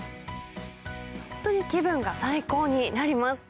本当に気分が最高になります。